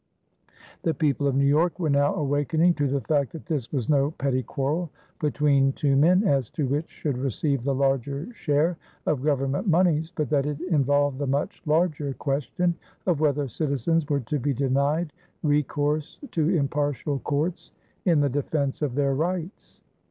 The people of New York were now awakening to the fact that this was no petty quarrel between two men as to which should receive the larger share of government moneys, but that it involved the much larger question of whether citizens were to be denied recourse to impartial courts in the defense of their rights.